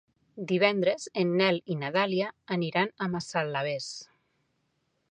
Divendres en Nel i na Dàlia aniran a Massalavés.